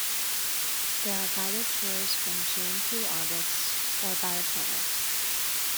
There are guided tours from June through August, or by appointment.